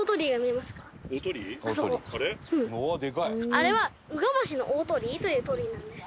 あれは宇橋大鳥居という鳥居なんです。